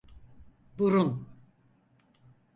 Burun.